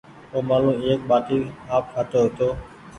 اومآلون ايڪ ٻآٽي آپ کآتو هيتو